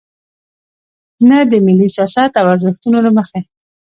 نه د ملي سیاست او ارزښتونو له مخې.